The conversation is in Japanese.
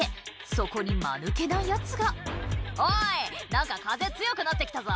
そこにマヌケなヤツが「おい何か風強くなってきたぞ」